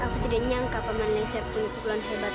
aku tidak nyangka paman lengsel punya pulang tangan